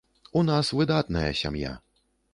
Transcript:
У нас выдатная сям'я.